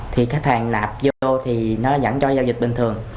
thì khách hàng nạp vô thì nó dẫn cho giao dịch bình thường